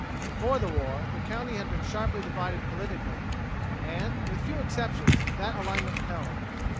Before the war the county had been sharply divided politically, and with few exceptions that alignment held.